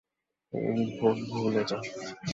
এই ভোট ভুলে যা।